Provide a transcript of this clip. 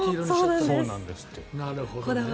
なるほどね。